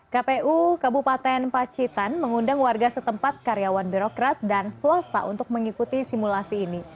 kpu kabupaten pacitan mengundang warga setempat karyawan birokrat dan swasta untuk mengikuti simulasi ini